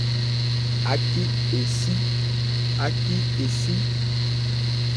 Ácí e cí.